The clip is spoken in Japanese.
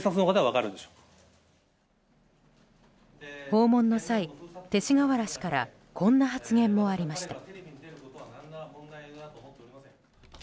訪問の際、勅使河原氏からこんな発言もありました。